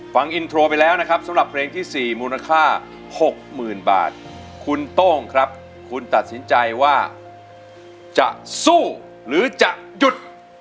ฟังอินโทรไปแล้วนะครับสำหรับเพลงที่๔มูลค่า๖๐๐๐บาทคุณโต้งครับคุณตัดสินใจว่าจะสู้หรือจะหยุด